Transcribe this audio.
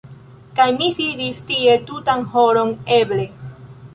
Kaj mi sidis tie tutan horon eble.